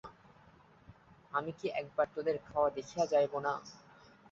আমি কি একবার তোদের খাওয়া দেখিয়া যাইব না।